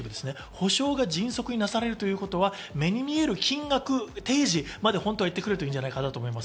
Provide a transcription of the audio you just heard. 補償が迅速になされるということは目に見える金額提示まで行ってくれるといいんじゃないかと思います。